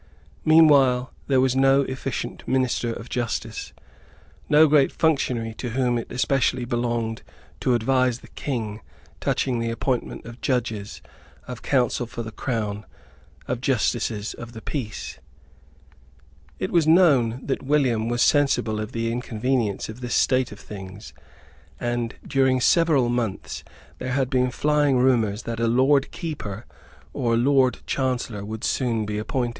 Meanwhile there was no efficient minister of justice, no great functionary to whom it especially belonged to advise the King touching the appointment of judges, of Counsel for the Crown, of Justices of the Peace. It was known that William was sensible of the inconvenience of this state of things; and, during several months, there had been flying rumours that a Lord Keeper or a Lord Chancellor would soon be appointed.